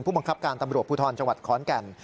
บังคับการตำรวจภูทรจังหวัดขอนแก่น